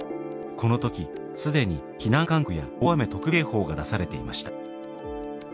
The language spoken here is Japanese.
この時既に避難勧告や大雨特別警報が出されていました。